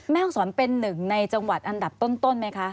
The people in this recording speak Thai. แม่ห้องศรเป็นหนึ่งในจังหวัดอันดับต้นไหมคะ